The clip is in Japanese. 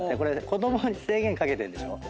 子供に制限かけてるんでしょ。